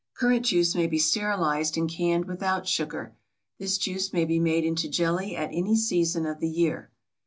Currant juice may be sterilized and canned without sugar. This juice may be made into jelly at any season of the year.